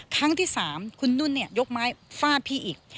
ครั้งที่๓คุณนุ่นยกไม้ฟาดพี่อีก